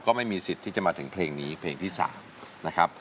ก็ไม่มีสิทธิ์ที่จะมาถึงเพลงนี้เพลงที่๓นะครับ